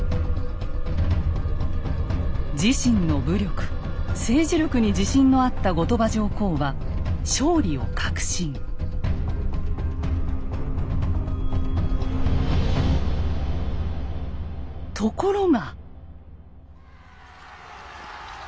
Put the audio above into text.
自身の武力・政治力に自信のあった後鳥羽上皇はところが。